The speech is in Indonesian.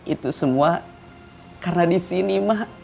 itu semua karena disini